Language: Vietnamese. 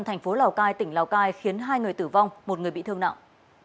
thành phố lào cai tỉnh lào cai khiến hai người tử vong một người bị thương nặng